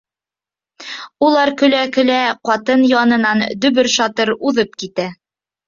Улар көлә-көлә ҡатын янынан дөбөр-шатыр уҙып китә.